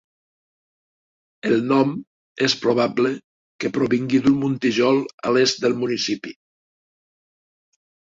El nom és probable que provingui d'un muntijol a l'est del municipi.